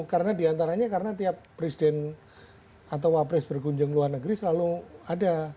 karena diantaranya karena tiap presiden atau wapres berkunjung luar negeri selalu ada